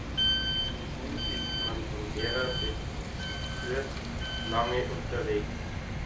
Zu Fuß ist man von Gera bis Fürth lange unterwegs